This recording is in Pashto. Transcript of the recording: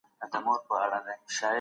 د ژوند مانا په بدلون کي ده.